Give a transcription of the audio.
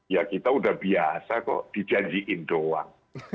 ya kita udah biasa kok dijanjiin doang